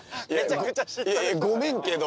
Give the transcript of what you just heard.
いやごめんけど。